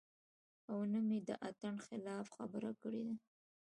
او نۀ مې د اتڼ خلاف خبره کړې ده -